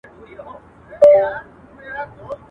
هم په لوبو هم په ټال کي پهلوانه.